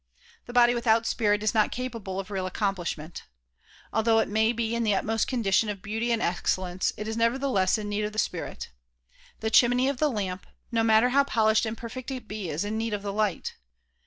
The body without spirit is not capable of real accomplishment. Although it may be in the utmost condition of beauty and excellence it is nevertheless in need of the spirit. The chimney of the lamp, no matter how polished and perfect it be, is in need of the light.